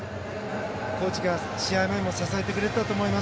コーチが試合前も支えてくれてたと思います。